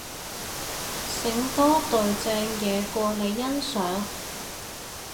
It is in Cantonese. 醒多隊正嘢過你欣賞